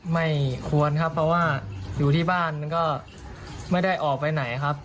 ไม่ควรครับเพราะว่าอยู่ที่บ้านก็ไม่ได้ออกไปไหนครับ